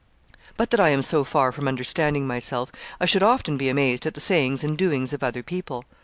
But that I am so far from understanding myself, I should often be amazed at the sayings and doings of other people.